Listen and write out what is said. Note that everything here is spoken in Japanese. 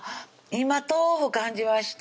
今豆腐感じました！